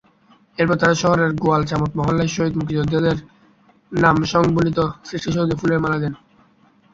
এরপর তারা শহরের গোয়ালচামট মহল্লায় শহীদ মুক্তিযোদ্ধাদের নামসংবলিত স্মৃতিসৌধে ফুলের মালা দেয়।